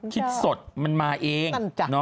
คิดสดมันมาเอง